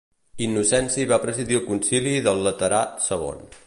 Innocenci va presidir el Concili del Laterà II.